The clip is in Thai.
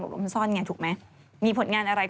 จริงจริงจริงจริงจริง